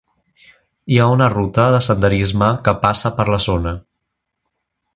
Hi ha una ruta de senderisme que passa per la zona.